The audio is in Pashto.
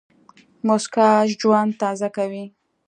موسکا ژوند تازه کوي.